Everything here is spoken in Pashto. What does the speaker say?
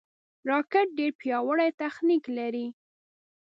راکټ ډېر پیاوړی تخنیک لري